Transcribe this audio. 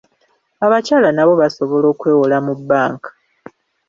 Abakyala nabo basobola okwewola mu bbanka.